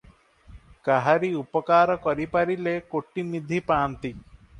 କାହାରି ଉପକାର କରିପାରିଲେ କୋଟିନିଧି ପାଆନ୍ତି ।